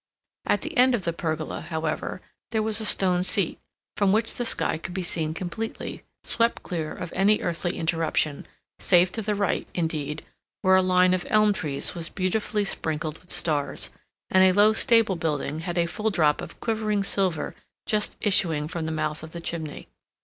At the end of the pergola, however, there was a stone seat, from which the sky could be seen completely swept clear of any earthly interruption, save to the right, indeed, where a line of elm trees was beautifully sprinkled with stars, and a low stable building had a full drop of quivering silver just issuing from the mouth of the chimney.